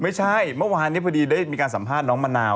เมื่อวานนี้พอดีได้มีการสัมภาษณ์น้องมะนาว